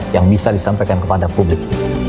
yang bisa disampaikan kepada publik